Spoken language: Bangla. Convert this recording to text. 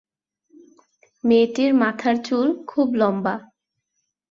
মেয়েটির মাথার চুল খুব লম্বা।